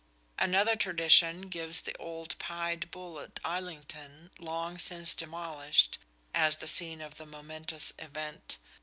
Another tradition gives the old Pied Bull at Islington, long since demolished, as the scene of the momentous event.